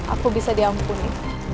aku bisa diampuni